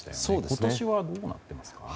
今年はどうなっていますか？